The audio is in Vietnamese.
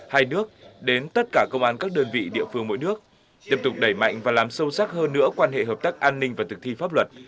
hai nước đến tất cả công an các đơn vị địa phương mỗi nước tiếp tục đẩy mạnh và làm sâu sắc hơn nữa quan hệ hợp tác an ninh và thực thi pháp luật